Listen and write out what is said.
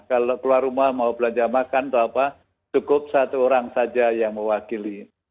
kalau keluar rumah mau belanja makan atau apa cukup satu orang saja yang mewakili